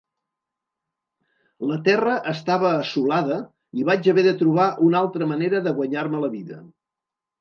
La terra estava assolada i vaig haver de trobar una altra manera de guanyar-me la vida.